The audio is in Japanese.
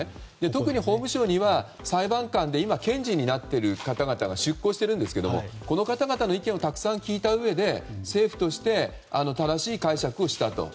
特に法務省には裁判官で今検事になっている方が出向しているんですけどこの方々の意見をたくさん聞いたうえで政府として正しい解釈をしたと。